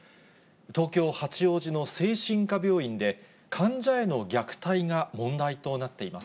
東京・八王子の精神科病院で、患者への虐待が問題となっています。